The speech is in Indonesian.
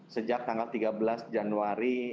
sejak tanggal tiga belas januari